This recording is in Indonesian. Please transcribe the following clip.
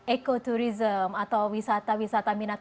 eko turism atau wisata wisata minat